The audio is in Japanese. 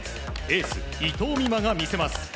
エース、伊藤美誠が見せます。